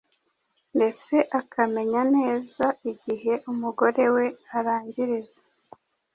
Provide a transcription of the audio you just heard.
ndetse akamenya neza igihe umugore we arangiriza